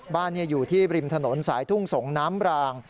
บ้านอยู่ที่ริมถนนสายทุ่งสงน้ำราง